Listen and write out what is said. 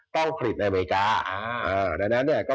ต้องผลิตในอเมริกา